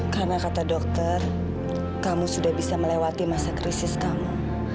karena kata dokter kamu sudah bisa melewati masa krisis kamu